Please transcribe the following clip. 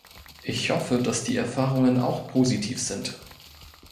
Ich hoffe, dass die Erfahrungen auch positiv sind.